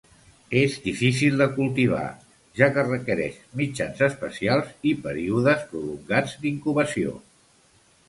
És difícil de cultivar, ja que requereix mitjans especials i períodes prolongats d'incubació.